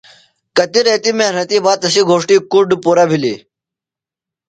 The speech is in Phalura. کتیۡ ریتی محنتیۡ باد تسی گھوݜٹی کُڈ پُرہ بِھلیۡ۔